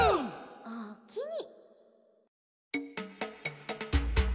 「おおきに」